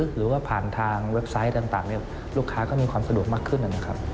หรือว่าผ่านทางเว็บไซต์ต่างลูกค้าก็มีความสะดวกมากขึ้นนะครับ